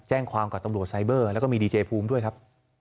แจ้งความกับตำรวจไซเบอร์แล้วก็มีดีเจภูมิด้วยครับ